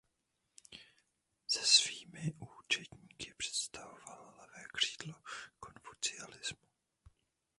Se svými učedníky představoval levé křídlo konfucianismu.